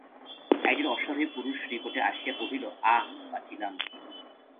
এক জন অশ্বারোহী পুরুষ নিকটে আসিয়া কহিল, আঃ বাঁচিলাম।